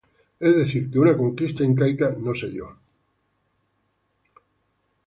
Es decir que una conquista incaica no se dio.